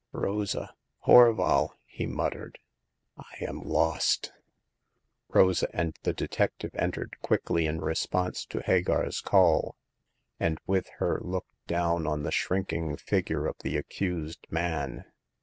" Rosa ! Horval !'* he muttered. " I am lost !" Rosa and the detective entered quickly in response to Hagar*s call, and with her looked down on the shrinking figure of the accused man.